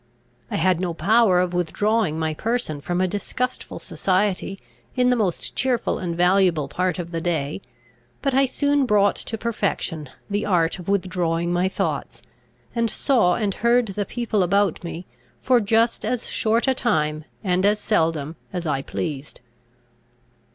I had no power of withdrawing my person from a disgustful society, in the most cheerful and valuable part of the day; but I soon brought to perfection the art of withdrawing my thoughts, and saw and heard the people about me, for just as short a time, and as seldom, as I pleased.